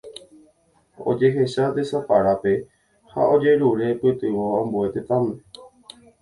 Ojehecha tesaparápe ha ojerure pytyvõ ambue tetãme.